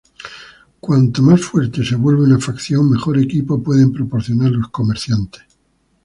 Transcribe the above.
Cuanto más fuerte se vuelve una facción, mejor equipo pueden proporcionar los comerciantes.